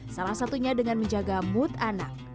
salah satunya dengan menjaga mood anak